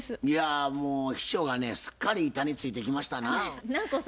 いやもう秘書がねすっかり板についてきましたなぁ。